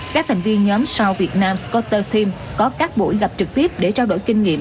các thành viên nhóm south vietnam scooter team có các buổi gặp trực tiếp để trao đổi kinh nghiệm